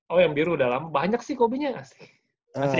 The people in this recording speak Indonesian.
oh yang biru udah lama banyak sih kobe nya asik